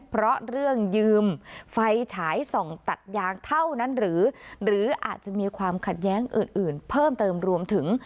เพราะเรื่องยืมไฟฉายส่องตัดยางเท่านั้นหรืออาจจะมีความขัดแย้งอื่นอื่นเพิ่มเติมรวมถึง